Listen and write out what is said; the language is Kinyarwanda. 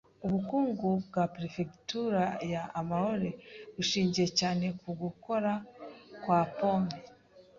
Ubukungu bwa Perefegitura ya Aomori bushingiye cyane ku gukura kwa pome.